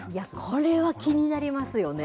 これは気になりますよね。